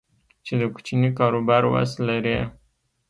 چې د کوچني کاروبار وس لري